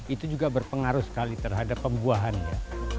itu juga berpengaruh sekali terhadap pembuahan ya